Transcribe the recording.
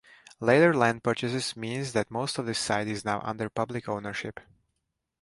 Later land purchases means that most of the site is now under public ownership.